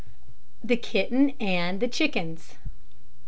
THE KITTEN AND THE CHICKENS.